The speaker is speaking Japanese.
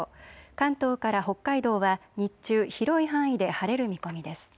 関東から北海道は日中広い範囲で晴れる見込みです。